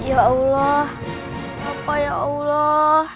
ya allah apa ya allah